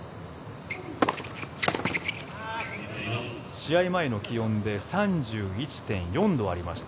試合前の気温で３１．４度ありました。